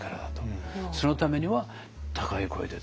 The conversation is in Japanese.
そのためには高い声でって。